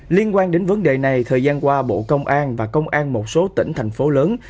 liên quan đến vấn đề này thời gian qua bộ công an và công an một số tỉnh thành phố lớn